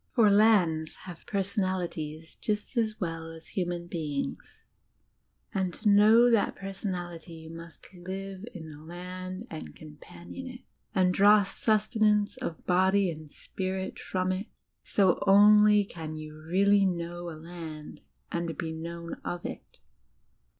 For lands have personali ties just as well as human beings; and k> know that personal ity you must live in the land and companion it, and draw sustenance of body and spirit from it; so only can you really know a land and be known of it.